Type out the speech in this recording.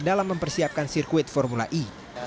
dalam mempersiapkan sirkuit formula e